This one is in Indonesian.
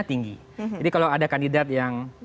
tinggi jadi kalau ada kandidat yang